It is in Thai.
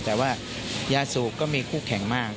แต่ว่ายาสูบก็มีคู่แข่งมาก